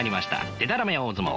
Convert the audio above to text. でたらめ大相撲。